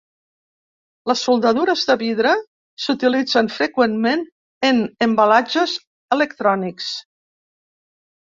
Les soldadures de vidre s'utilitzen freqüentment en embalatges electrònics.